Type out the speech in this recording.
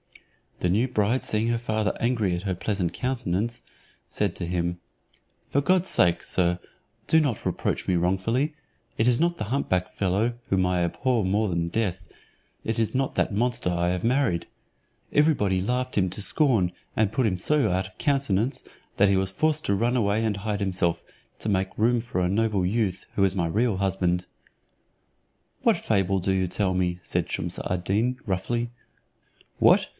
The new bride seeing her father angry at her pleasant countenance, said to him, "For God's sake, sir, do not reproach me wrongfully; it is not the hump back fellow, whom I abhor more than death, it is not that monster I have married. Every body laughed him to scorn, and put him so out of countenance, that he was forced to run away and hide himself, to make room for a noble youth, who is my real husband." "What fable do you tell me?" said Shumse ad Deen, roughly. "What!